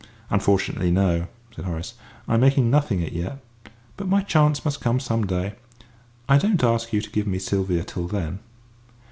"Unfortunately, no" said Horace; "I'm making nothing as yet. But my chance must come some day. I don't ask you to give me Sylvia till then."